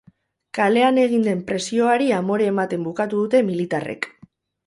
Kalean egin den presioari amore ematen bukatu dute militarrek.